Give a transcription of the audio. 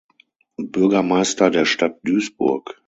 Bürgermeister der Stadt Duisburg.